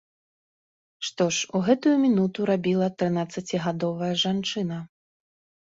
Што ж у гэтую мінуту рабіла трынаццацігадовая жанчына?